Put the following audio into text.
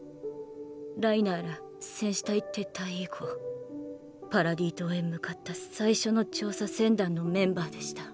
ライナーら戦士隊撤退以降パラディ島へ向かった最初の調査船団のメンバーでした。